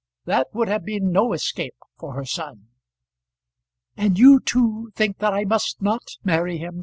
That would have been no escape for her son. "And you too think that I must not marry him?"